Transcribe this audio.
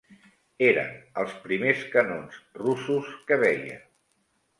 Eren els primers canons russos que veia